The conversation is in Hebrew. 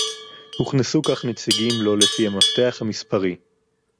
הוכנסו כך נציגים לא לפי המפתח המספרי